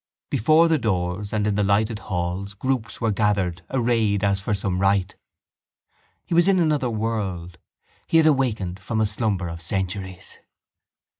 Before the doors and in the lighted halls groups were gathered arrayed as for some rite. He was in another world: he had awakened from a slumber of centuries.